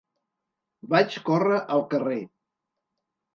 Vaig córrer al carrer